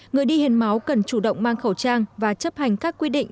người đi hiến máu cần chủ động mang khẩu trang và chấp hành các quy định